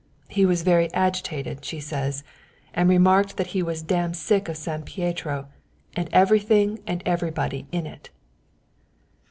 He was very agitated, she says, and remarked that he was damn sick of San Pietro, and everything and everybody in it."